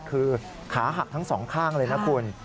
คือขาหักทั้งสองข้างเลยนะคุณ